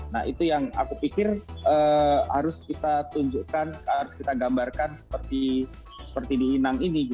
nah itu yang aku pikir harus kita tunjukkan harus kita gambarkan seperti di inang ini